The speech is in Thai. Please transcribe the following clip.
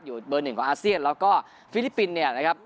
อยู่เบอร์หนึ่งของอาเซียนแล้วก็ฟิลิปปินส์เนี่ยนะครับ